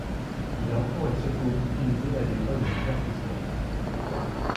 Il est encore et surtout utilisé à des fins de divertissement.